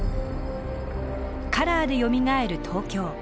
「カラーでよみがえる東京」。